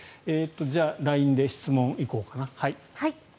じゃあ、ＬＩＮＥで質問行こうかな。